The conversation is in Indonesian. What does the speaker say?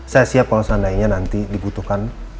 saya siap kalau seandainya nanti dibutuhkan